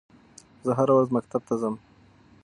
زه هره ورځ مکتب ته ځم